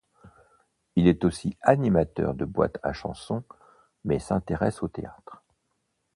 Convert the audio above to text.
Il est aussi animateur de boîtes à chansons mais s'intéresse au théâtre.